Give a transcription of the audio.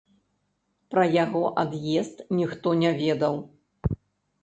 Пра яго ад'езд ніхто не ведаў.